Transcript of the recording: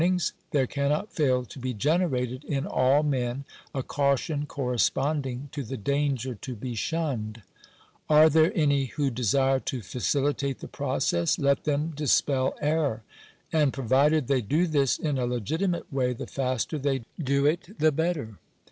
379 ings, there cannot fail to be generated in all men a caution corresponding to the danger to be shunned. Are there any who desire to facilitate the process? Let them dispel error; and, provided they do this in a legitimate way, the faster they do it the better.